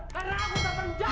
karena aku tak pernah menjaga